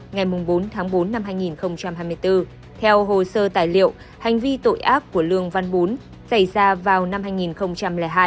ngày bốn tháng bốn năm hai nghìn hai mươi bốn theo hồ sơ tài liệu hành vi tội ác của lương văn bún xảy ra vào năm hai nghìn hai